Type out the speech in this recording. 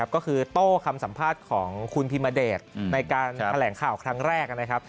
ก็คือโต้คำสัมภาษณ์ของคุณพิมเดชในการแถลงข่าวครั้งแรกนะครับ